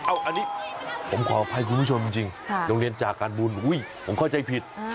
อันนี้ผมขออภัยคุณผู้ชมจริงโรงเรียนจากการบุญผมเข้าใจผิด